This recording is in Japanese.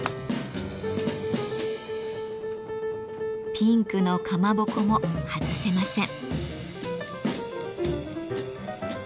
ピンクのかまぼこも外せません。